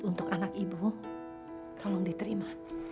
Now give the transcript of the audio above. untuk anak ibu tolong diterima